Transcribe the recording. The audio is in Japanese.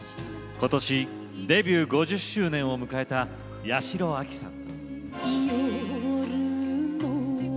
ことしデビュー５０周年を迎えた八代亜紀さん。